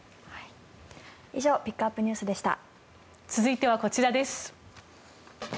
以上ピックアップＮＥＷＳでした。